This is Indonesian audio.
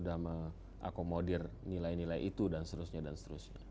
sama akomodir nilai nilai itu dan seterusnya dan seterusnya